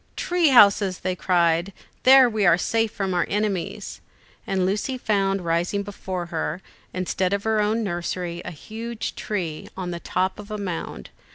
"Tree houses," they cried; "there we are safe from our enemies." And Lucy found rising before her, instead of her own nursery, a huge tree, on the top of a mound.